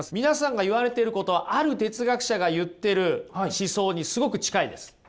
皆さんが言われてることある哲学者が言ってる思想にすごく近いです。